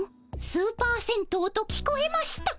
「スーパー銭湯」と聞こえました。